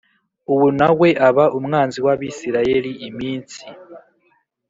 Uwo na we aba umwanzi w Abisirayeli iminsi